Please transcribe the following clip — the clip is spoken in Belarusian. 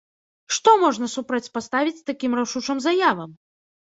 Што можна супрацьпаставіць такім рашучым заявам?